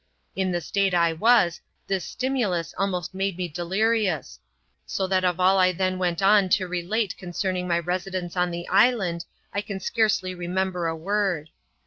* In the state I was, this stimulus almost made me de lirious ; so that of all I then went on to relate, concerning my residence on the island, I can scarcely remember a word.